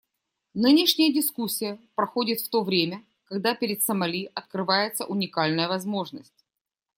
Нынешняя дискуссия проходит в то время, когда перед Сомали открывается уникальная возможность.